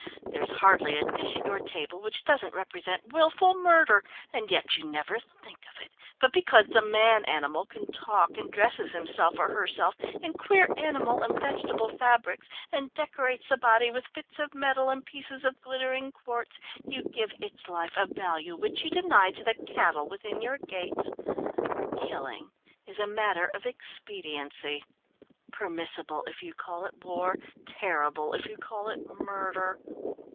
There's hardly a dish at your table which doesn't represent wilful murder, and yet you never think of it, but because the man animal can talk and dresses himself or herself in queer animal and vegetable fabrics, and decorates the body with bits of metal and pieces of glittering quartz, you give its life a value which you deny to the cattle within your gates! Killing is a matter of expediency. Permissible if you call it war, terrible if you call it murder.